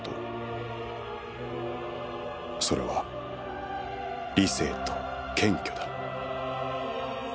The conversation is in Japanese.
「それは“理性”と“謙虚”だ」